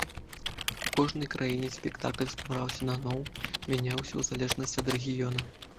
У кожнай краіне спектакль ствараўся наноў, мяняўся ў залежнасці ад рэгіёна.